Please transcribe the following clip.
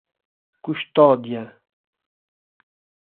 Custódia